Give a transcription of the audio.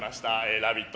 「ラヴィット！」。